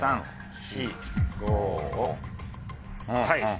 はい。